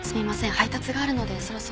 配達があるのでそろそろ。